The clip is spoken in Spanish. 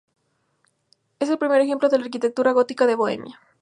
Es el primer ejemplo de arquitectura gótica en Bohemia.